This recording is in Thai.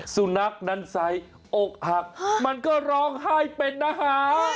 สุนัขดันไซด์อกหักมันก็ร้องไห้เป็นนะฮะ